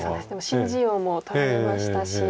新人王も取られましたし。